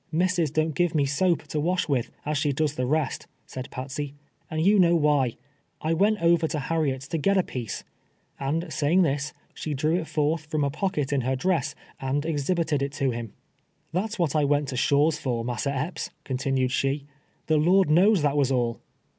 " Missus don't give me soap to wash with, as she does the rest," said Patsey, " and you know wdiy. I went over to Harriet's to get a piece," and saying this, she drew it forth from a pocket in her dress and ex hibited it to him. " That's what I went to Shaw's for, Massa Epps," continued she ;" the Lord knows that was all."